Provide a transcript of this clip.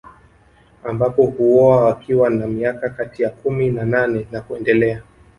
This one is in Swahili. Ambapo huoa wakiwa na miaka kati ya kumi na nane na kuendelea